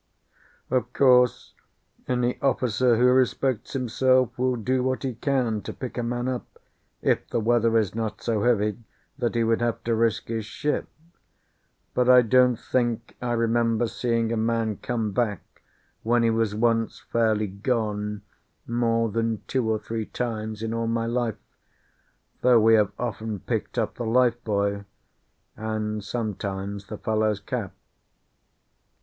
Of course, any officer who respects himself will do what he can to pick a man up, if the weather is not so heavy that he would have to risk his ship; but I don't think I remember seeing a man come back when he was once fairly gone more than two or three times in all my life, though we have often picked up the life buoy, and sometimes the fellow's cap.